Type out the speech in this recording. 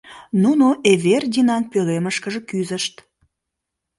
Нуно Эвердинан пӧлемышкыже кӱзышт.